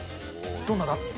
どんなだ？